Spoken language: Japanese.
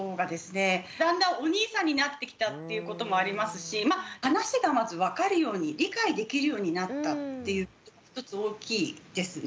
だんだんお兄さんになってきたっていうこともありますし話がまず分かるように理解できるようになったって１つ大きいですね。